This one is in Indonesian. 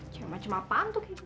cuma cuma apaan tuh kayak gitu